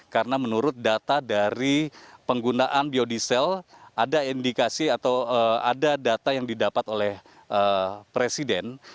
karena menurut data dari penggunaan biodiesel ada indikasi atau ada data yang didapat oleh presiden